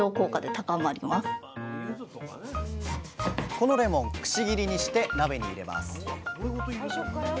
このレモンくし切りにして鍋に入れます。